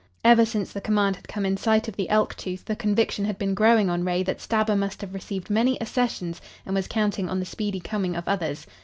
Ever since the command had come in sight of the Elk Tooth the conviction had been growing on Ray that Stabber must have received many accessions and was counting on the speedy coming of others.